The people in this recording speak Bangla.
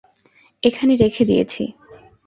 এখানে রেখে দিয়েছি।